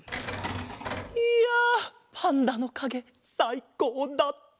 いやパンダのかげさいこうだった！